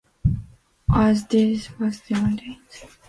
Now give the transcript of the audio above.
As time passes, Greta lays eggs.